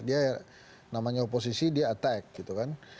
dia namanya oposisi dia attack gitu kan